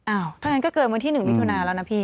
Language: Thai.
อ้าวทั้งนั้นก็เกินวันที่๑วิทยุนาล์แล้วนะพี่